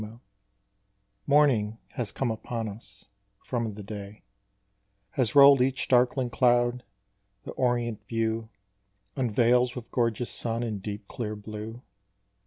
_ Morning has come upon us, from the day Has rolled each darkling cloud, the orient view Unveils with gorgeous sun, and deep clear blue.